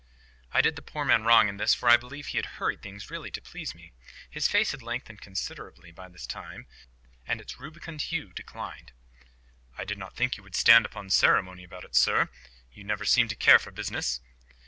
I did the poor man wrong in this, for I believe he had hurried things really to please me. His face had lengthened considerably by this time, and its rubicund hue declined. "I did not think you would stand upon ceremony about it, sir. You never seemed to care for business."